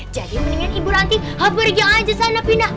jadi mendingan ibu ranti hampir pergi aja sana pindah